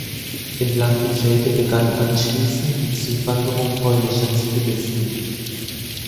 In Blankenfelde begann anschließend die Zuwanderung polnischer Zivilisten.